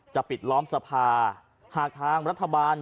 ปิดล้อมสภาหากทางรัฐบาล